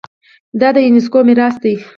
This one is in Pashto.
دا د یونیسکو میراث دی.